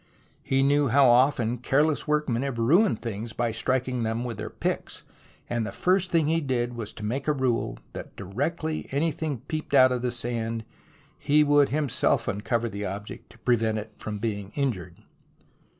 He knew how often careless workmen have ruined things by striking them with their picks, and the first thing he did was to make a rule that directly anything peeped out of the sand, he would himself uncover the object to prevent it being injured.